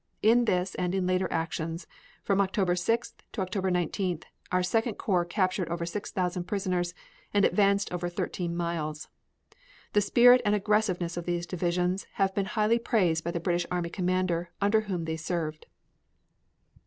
In this and in later actions, from October 6th to October 19th, our Second Corps captured over 6,000 prisoners and advanced over thirteen miles. The spirit and aggressiveness of these divisions have been highly praised by the British army commander under whom they served.